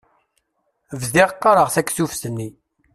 Bdiɣ qqaṛeɣ taktubt-nni.